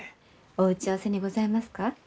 お打ち合わせにございますか？